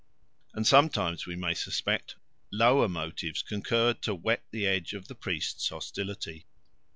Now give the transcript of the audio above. And sometimes, we may suspect, lower motives concurred to whet the edge of the priest's hostility.